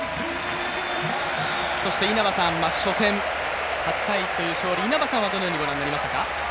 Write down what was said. そして稲葉さん、初戦、８−１という勝利、稲葉さんはどのようにご覧になりましたか？